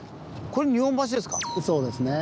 これ日本橋ですか？